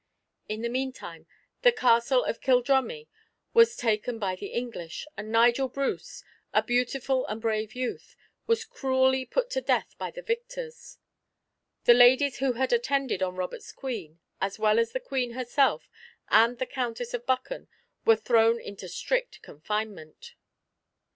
In the meantime the castle of Kildrummie was taken by the English, and Nigel Bruce, a beautiful and brave youth, was cruelly put to death by the victors. The ladies who had attended on Robert's Queen, as well as the Queen herself, and the Countess of Buchan, were thrown into strict confinement.